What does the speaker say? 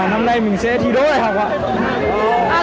hôm nay mình sẽ thi đấu đại học ạ